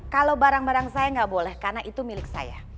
kalau barang barang saya nggak boleh karena itu milik saya